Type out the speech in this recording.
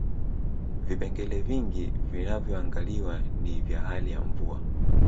vipengele vingi vinavyoangaliwa ni vya hali ya mvua